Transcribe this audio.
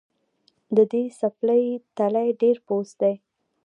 د دې څپلۍ تلی ډېر پوست دی